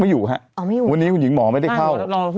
อยู่ฮะวันนี้คุณหญิงหมอไม่ได้เข้า